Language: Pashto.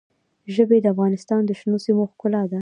ژبې د افغانستان د شنو سیمو ښکلا ده.